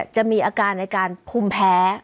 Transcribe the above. จะมีอาการในการภูมิแพ้